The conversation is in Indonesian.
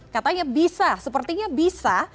katanya bisa sepertinya bisa